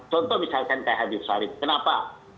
contoh misalkan kak hadir sharif kenapa